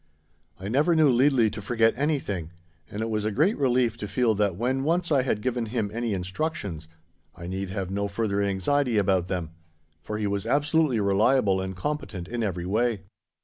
I never knew Leadley to forget anything, and it was a great relief to feel that when once I had given him any instructions, I need have no further anxiety about them, for he was absolutely reliable and competent in every way.